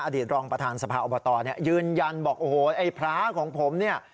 รองประธานสภาอบตเนี่ยยืนยันบอกโอ้โหไอ้พระของผมเนี่ย